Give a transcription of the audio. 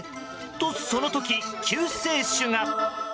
とその時、救世主が。